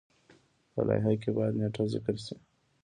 په لایحه کې باید نیټه ذکر شي.